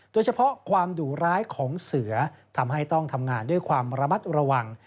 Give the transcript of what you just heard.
โดยเฉพาะความดุร้ายของเสือทำให้ต้องทำงานด้วยความระมัดระวัง